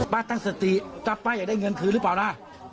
ป้าตั้งสติป้าอยากได้เงินคืนหรือเปล่านะ